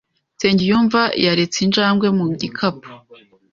Nsengiyumva yaretse injangwe mu gikapu.